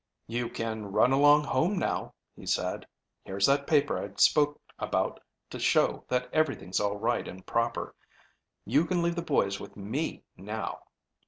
"You can run along home now," he said. "Here's that paper I spoke about to show that everything's all right and proper. You can leave the boys with me now."